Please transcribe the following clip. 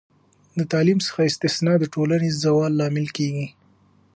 د تعلیم څخه استثنا د ټولنې د زوال لامل کیږي.